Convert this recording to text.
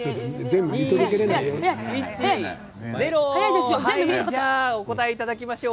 ではお答えいただきましょう。